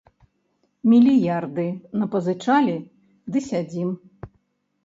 Мільярды напазычалі ды сядзім.